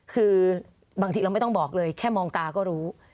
คือบางทีเราไม่ต้องบอกเลยแค่มองตาก็รู้